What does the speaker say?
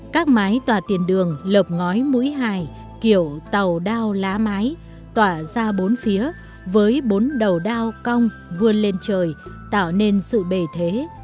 các mái tòa tiền đường lợp ngói mũi hài kiểu tàu đao lá mái tỏa ra bốn phía với bốn đầu đao cong vươn lên trời tạo nên sự bề thế